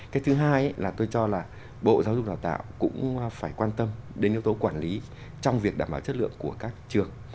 cái thứ hai là tôi cho là bộ giáo dục đào tạo cũng phải quan tâm đến yếu tố quản lý trong việc đảm bảo chất lượng của các trường